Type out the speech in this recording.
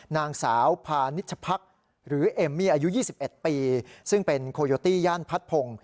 นางสาวพานิชพักหรือเอมมี่อายุ๒๑ปีซึ่งเป็นโคโยตี้ย่านพัดพงศ์